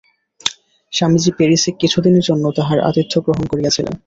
স্বামীজী প্যারিসে কিছুদিনের জন্য তাঁহার আতিথ্য গ্রহণ করিয়াছিলেন।